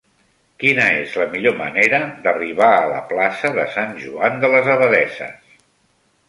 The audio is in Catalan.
Quina és la millor manera d'arribar a la plaça de Sant Joan de les Abadesses?